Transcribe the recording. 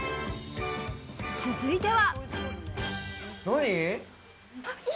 続いては。